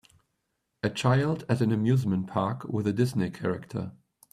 A child at an amusement park with a Disney character.